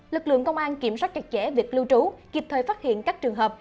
lực lượng công an kiểm soát chặt chẽ việc lưu trú kịp thời phát hiện các trường hợp